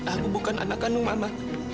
aku bukan anak kandung mama